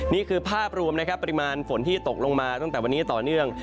นี่คือภาพรวมนะครับปริมาณฝนที่ตกลงมาตั้งแต่วันนี้ต่อเนื่อง